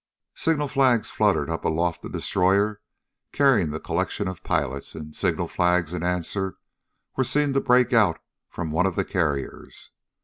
Signal flags fluttered up aloft the destroyer carrying the collection of pilots, and signal flags in answer were seen to break out from one of the carriers.